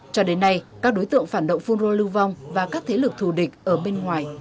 cho đến nay các đối tượng phản động phun rô lưu vong và các thế lực thù địch ở bên ngoài